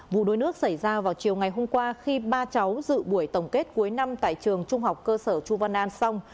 vụ đuối nước xảy ra vào chiều ngày hôm qua khi ba cháu dự buổi tổng kết cuối năm tại trường trung học cơ sở chu văn an xong